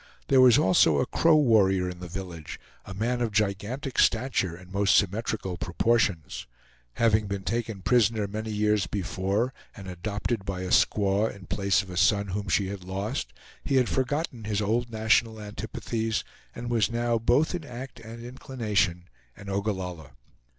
There was also a Crow warrior in the village, a man of gigantic stature and most symmetrical proportions. Having been taken prisoner many years before and adopted by a squaw in place of a son whom she had lost, he had forgotten his old national antipathies, and was now both in act and inclination an Ogallalla.